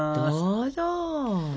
どうぞ。